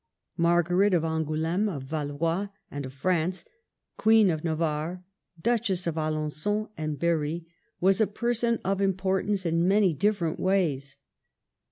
Margaret of Angouleme, of Valois, and of France, Queen of Navarre, Duchess of Alengon and Berry, was a person of importance in many different ways.